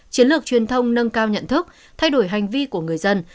chiến lược truyền thông nâng cao nhận thức thay đổi hành vi của người dân